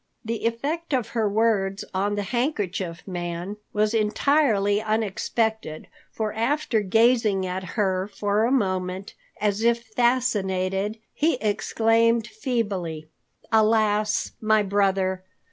The effect of her words on the Handkerchief Man was entirely unexpected, for after gazing at her for a moment as if fascinated, he exclaimed feebly, "Alas, my brother!"